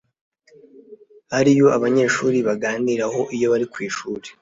ari yo abanyeshuri baganiraho iyo bari ku ishuri